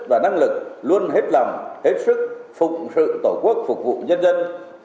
và năng lực luôn hết lầm hết sức phục sự tổ quốc phục vụ nhân dân